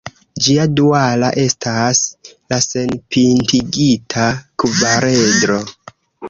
Ĝia duala estas la senpintigita kvaredro.